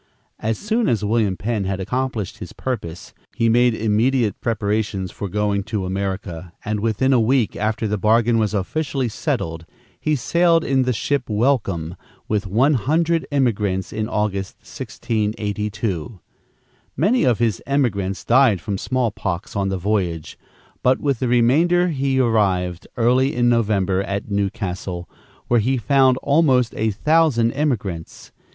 As soon as William Penn had accomplished his purpose, he made immediate preparations for going to America, and within a week after the bargain was officially settled, he sailed in the ship Welcome, with one hundred emigrants, in August, 1682. Many of his emigrants died from small pox on the voyage; but with the remainder he arrived, early in November, at New Castle, where he found almost a thousand emigrants.